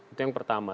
itu yang pertama